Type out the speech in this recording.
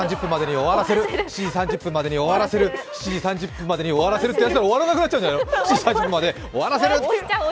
７時３０分までに終わらせる、７時３０分までに終わらせる、というので、終わらなくなっちゃうんじゃないの？